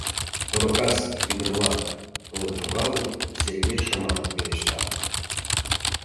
— Поро кас, ӱдыр-влак! — толын шогалын, Сергей шыман пелешта.